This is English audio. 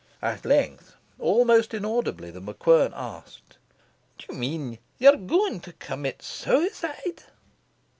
At length, almost inaudibly, The MacQuern asked "Do you mean you are going to commit suicide?"